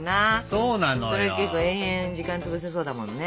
それ結構延々時間つぶせそうだもんね。